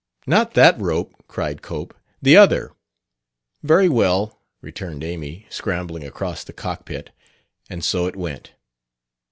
"Not that rope," cried Cope; "the other." "Very well," returned Amy, scrambling across the cockpit. And so it went.